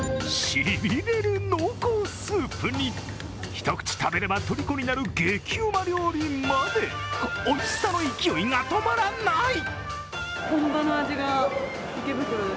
しびれる濃厚スープに一口食べればとりこになる激ウマ料理まで、おいしさの勢いが止まらない。